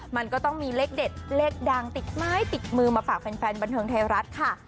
มันก็ต้องมีเลขเด็ดเลขดังติดไม้ติดมือมาฝากแฟนบันเทิงไทยรัฐค่ะ